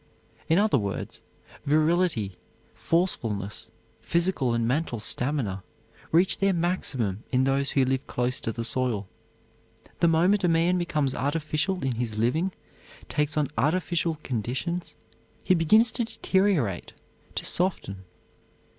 In other words, virility, forcefulness, physical and mental stamina reach their maximum in those who live close to the soil. The moment a man becomes artificial in his living, takes on artificial conditions, he begins to deteriorate, to soften.